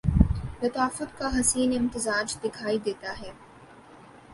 لطافت کا حسین امتزاج دکھائی دیتا ہے